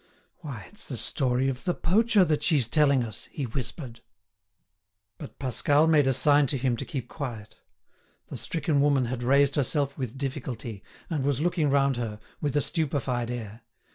"Why, it's the story of the poacher that she's telling us," he whispered. But Pascal made a sign to him to keep quiet. The stricken woman had raised herself with difficulty, and was looking round her, with a stupefied air.